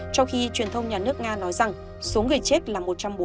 trong khi truyền thông nhà nước nga nói rằng số người chết là một trăm bốn mươi